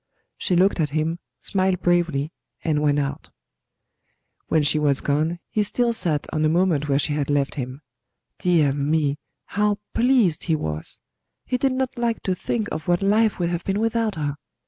She looked at him, smiled bravely, and went out. When she was gone, he still sat on a moment where she had left him. Dear me! how pleased he was! He did not like to think of what life would have been without her.